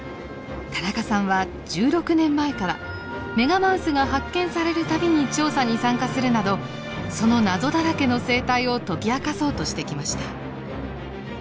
田中さんは１６年前からメガマウスが発見される度に調査に参加するなどその謎だらけの生態を解き明かそうとしてきました。